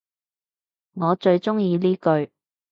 我最鍾意呢句